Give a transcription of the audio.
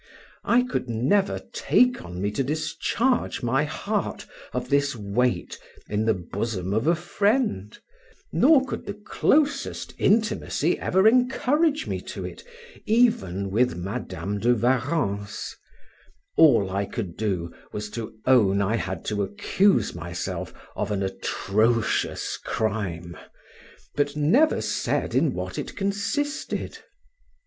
I could never take on me to discharge my heart of this weight in the bosom of a friend; nor could the closest intimacy ever encourage me to it, even with Madam de Warrens: all I could do, was to own I had to accuse myself of an atrocious crime, but never said in what it consisted.